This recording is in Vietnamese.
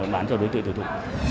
bán cho đối tượng tiêu thụ